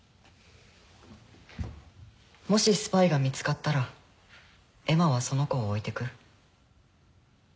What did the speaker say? もしスパイが見つかったらエマはその子を置いてく？